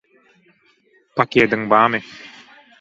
– Pakediň bamy?